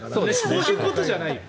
そういうことじゃないよ。